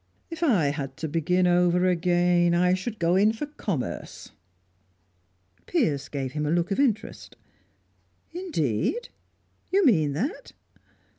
If I had to begin over again, I should go in for commerce." Piers gave him a look of interest. "Indeed? You mean that?"